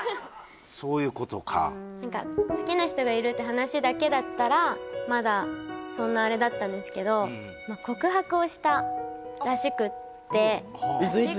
そういうことか好きな人がいるって話だけだったらまだそんなあれだったんですけど告白をしたらしくていつ？